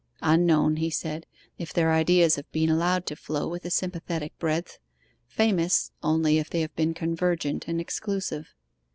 'Unknown,' he said, 'if their ideas have been allowed to flow with a sympathetic breadth. Famous only if they have been convergent and exclusive.